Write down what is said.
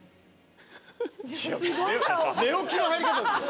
寝起きの入り方ですよ